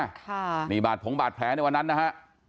ค่ะนี่บาดผงบาดแผลในวันนั้นนะฮะ